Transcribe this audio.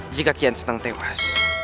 jika kian santang tewas